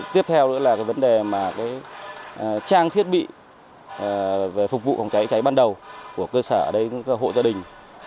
tiếp theo là vấn đề trang thiết bị phục vụ cháy cháy ban đầu của cơ sở hộ gia đình